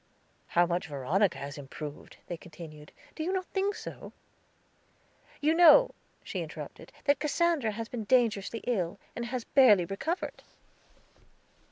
"How much Veronica has improved," they continued, "do not you think so?" "You know," she interrupted, "that Cassandra has been dangerously ill, and has barely recovered."